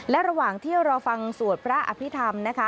และระหว่างที่รอฟังสวดพระอภิษฐรรมนะคะ